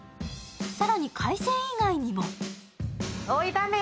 更に海鮮以外にも。